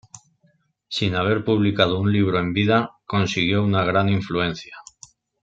Sin haber publicado un libro en vida, consiguió una gran influencia.